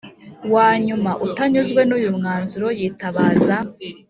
Wanyuma utanyuzwe n uyu mwanzuro yitabaza